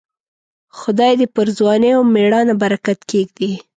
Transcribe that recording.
خدای دې پر ځوانۍ او مړانه برکت کښېږدي.